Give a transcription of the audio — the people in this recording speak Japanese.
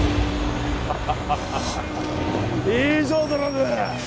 ハハハハハいいぞドラム！